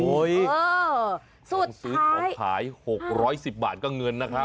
โอ้ยสูตรขาย๖๑๐บาทก็เงินนะครับ